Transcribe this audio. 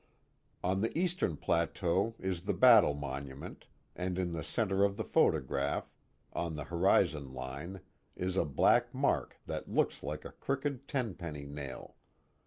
On the eastern plateau is the Battle Monument and in the centre of the photograph, on the horizon line is a black mark that looks like a crooked ten penny nail.